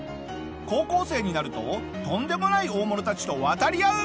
高校生になるととんでもない大物たちと渡り合う！